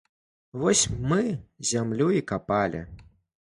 Вось мы зямлю і капалі.